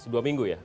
dua minggu ya